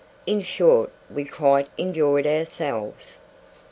In short, we quite enjoyed ourselves.